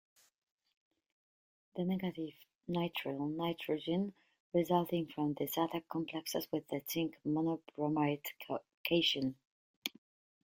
The negative nitrile nitrogen resulting from this attack complexes with the zinc monobromide cation.